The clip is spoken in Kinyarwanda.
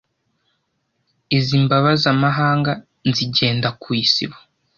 Iz'imbabazamahanga nzigenda ku isibo,